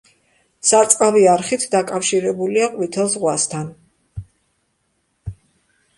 სარწყავი არხით დაკავშირებულია ყვითელ ზღვასთან.